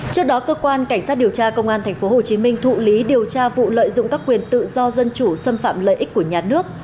trước đó cơ quan cảnh sát điều tra công an tp hcm thụ lý điều tra vụ lợi dụng các quyền tự do dân chủ xâm phạm lợi ích của nhà nước